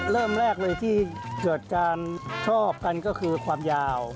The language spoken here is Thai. เริ่มแรกเลยที่เกิดการชอบกันก็คือความยาว